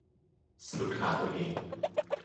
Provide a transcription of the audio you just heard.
สะดุดขาตัวเอง